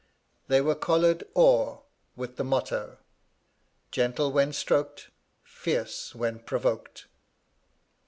They were collared or, with the motto, "Gentle when stroked fierce when provoked."